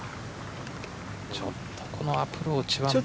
ちょっとこのアプローチは。